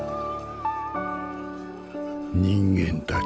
人間たちよ。